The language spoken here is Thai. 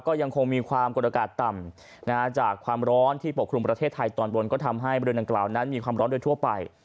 ก็ยังคงมีความกดอากาศต่ำจากความร้อนที่ปกครุมประเทศไทยตอนบนก็ทำให้บริเวณดังกล่าวนั้นมีความร้อนโดยทั่วไป